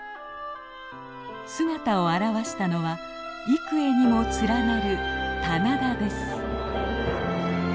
姿を現したのは幾重にも連なる棚田です。